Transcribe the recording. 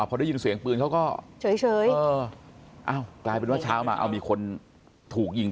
พอได้ยินเสียงปืนเขาก็เฉยอ้าวกลายเป็นว่าเช้ามาเอามีคนถูกยิง